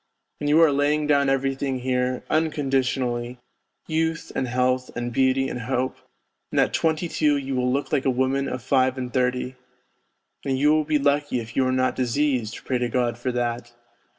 And you are laying down everything here, unconditionally, youth and health and beauty and hope, and at twenty two you will look like a woman of five and thirty, and you will be lucky if you are not diseased, pray to God for that